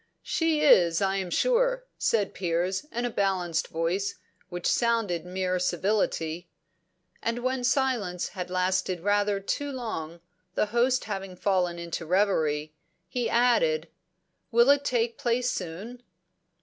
"She is, I am sure," said Piers, in a balanced voice, which sounded mere civility. And when silence had lasted rather too long, the host having fallen into reverie, he added: "Will it take place soon?"